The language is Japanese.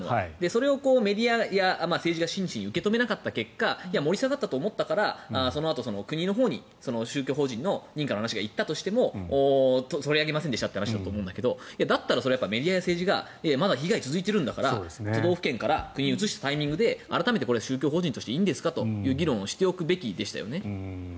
それをメディアや政治が真摯に受け止めなかった結果盛り下がったと思ったからそのあと、国のほうに宗教法人の認可の話が行ったとしても取り上げませんでしたという話だと思うんだけどだったらそれはメディアや政治がまだ被害続いているんだから都道府県から国に移したタイミングで改めて宗教法人としていいんですかという議論をしておくべきでしたよね。